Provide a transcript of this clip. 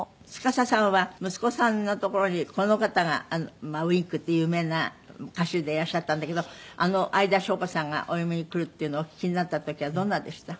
司さんは息子さんのところにこの方がまあＷｉｎｋって有名な歌手でいらっしゃったんだけどあの相田翔子さんがお嫁にくるっていうのお聞きになった時はどんなでした？